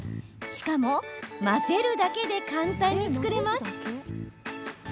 しかも、混ぜるだけで簡単に作れます。